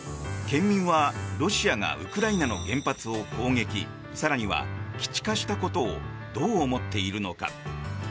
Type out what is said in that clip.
県民はロシアがウクライナの原発を攻撃更には基地化したことをどう思っているのか。